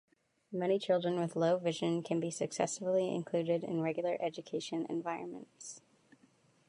Many children with low vision can be successfully included in regular education environments.